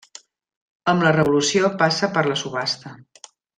Amb la Revolució passa per la subhasta.